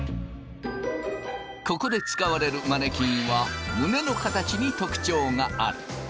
ここで使われるマネキンは胸の形に特徴がある。